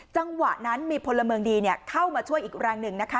จังหวะนั้นมีพลเมืองดีเข้ามาช่วยอีกแรงหนึ่งนะคะ